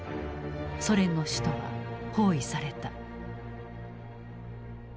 ソ連の首都は包囲された。